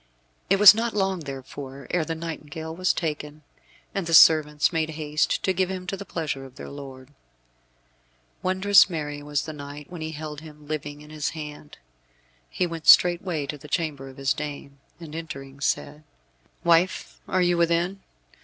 It was not long therefore ere the nightingale was taken, and the servants made haste to give him to the pleasure of their lord. Wondrous merry was the knight when he held him living in his hand. He went straightway to the chamber of his dame, and entering, said, "Wife, are you within?